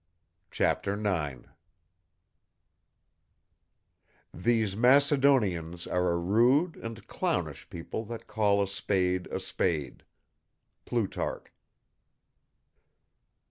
CHAPTER IX "These Macedonians are a rude and clownish people that call a spade a spade." PLUTARCH.